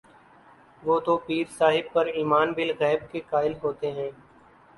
وہ تو پیر صاحب پر ایمان بالغیب کے قائل ہوتے ہیں۔